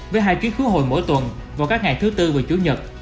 với hai chuyến khứa hội mỗi tuần vào các ngày thứ tư và chủ nhật